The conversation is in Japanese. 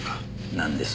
なんです？